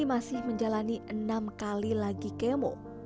masih menjalani enam kali lagi kemo